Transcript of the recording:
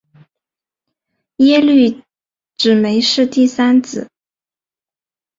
耶律只没是第三子。